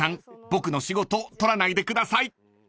僕の仕事取らないでください！］